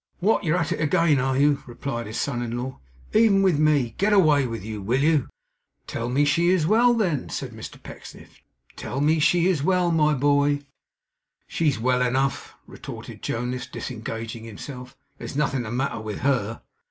'What, you're at it again, are you?' replied his son in law. 'Even with me? Get away with you, will you?' 'Tell me she is well then,' said Mr Pecksniff. 'Tell me she is well my boy!' 'She's well enough,' retorted Jonas, disengaging himself. 'There's nothing the matter with HER.